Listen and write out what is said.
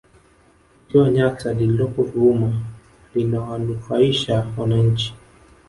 ziwa nyasa lililopo ruvuma linawanufaisha wananchi